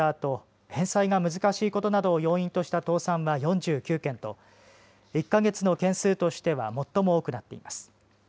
あと返済が難しいことなどを要因とした倒産は４９件と１か月の件数としては最も多くなっています。